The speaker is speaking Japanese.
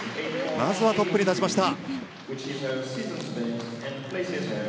まずはトップに立ちました。